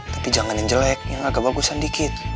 tapi jangan yang jelek yang agak bagus sedikit